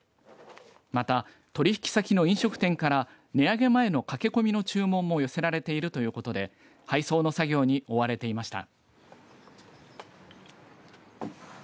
また、取引先の飲食店から値上げ前の駆け込みの注文も寄せられているということで配送の作業に追われていました。